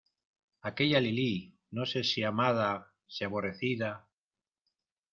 ¡ aquella Lilí, no sé si amada , si aborrecida!